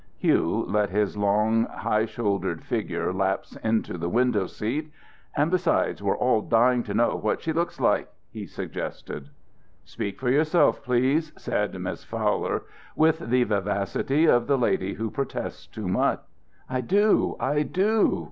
Hugh let his long, high shouldered figure lapse into the window seat. "And besides, we're all dying to know what she looks like," he suggested. "Speak for yourself, please," said Miss Fowler, with the vivacity of the lady who protests too much. "I do, I do!